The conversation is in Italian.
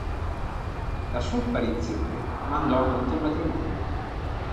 La sua apparizione mandò a monte il matrimonio.